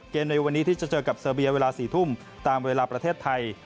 ในวันนี้ที่จะเจอกับเซอร์เบียเวลา๔ทุ่มตามเวลาประเทศไทย